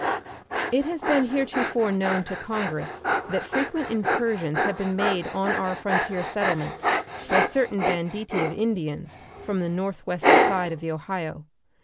It has been heretofore known to Congress that frequent incursions have been made on our frontier settlements by certain banditti of Indians from the northwest side of the Ohio.